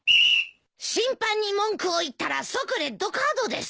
審判に文句を言ったら即レッドカードですよ。